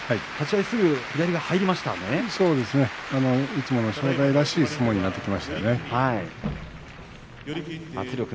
いつもの正代らしい相撲になってきましたね。